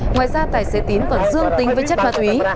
ngoài ra tài xế tín còn dương tính với chất ma túy